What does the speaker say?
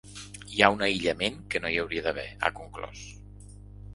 Hi ha un aïllament que no hi hauria d’haver, ha conclòs.